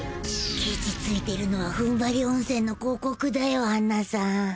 ケチついてるのはふんばり温泉の広告だよアンナさん